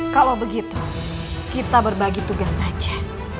kalau begitu kita berbagi tugas saja